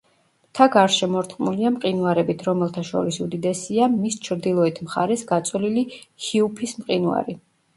მთა გარსშემორტყმულია მყინვარებით, რომელთა შორის უდიდესია მის ჩრდილოეთ მხარეს გაწოლილი ჰიუფის მყინვარი.